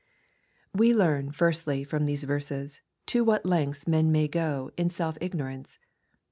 We learn, firstly, from these verses, to what lengths men may go in self ignorance.